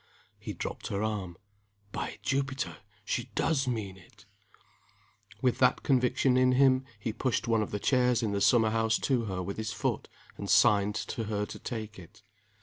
He dropped her arm. "By Jupiter, she does mean it!" With that conviction in him, he pushed one of the chairs in the summer house to her with his foot, and signed to her to take it.